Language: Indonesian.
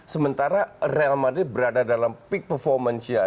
sementara real madrid berada dalam peak performance nya